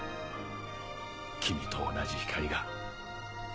君と同じ光が。